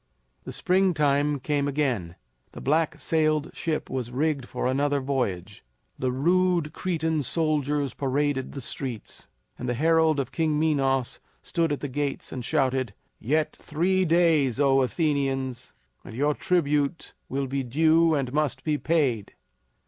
The springtime came again. The black sailed ship was rigged for another voyage. The rude Cretan soldiers paraded the streets; and the herald of King Minos stood at the gates and shouted: "Yet three days, O Athenians, and your tribute will be due and must be paid!"